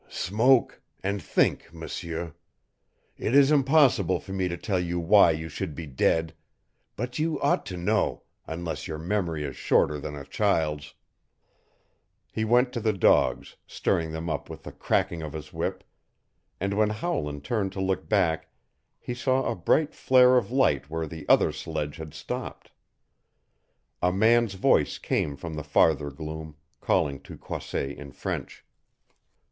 "Smoke and think, M'seur. It is impossible for me to tell you why you should be dead but you ought to know, unless your memory is shorter than a child's." He went to the dogs, stirring them up with the cracking of his whip, and when Howland turned to look back he saw a bright flare of light where the other sledge had stopped. A man's voice came from the farther gloom, calling to Croisset in French.